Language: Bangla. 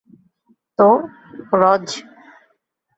তো, রজ?